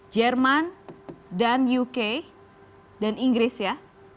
jerman dan uk dan inggris ya